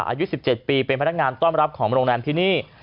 อายุ๑๗ปีเป็นพนักงานต้อนรับของโรงแรมที่นี่